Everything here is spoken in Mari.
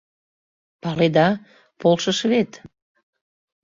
Паледа, полшыш вет.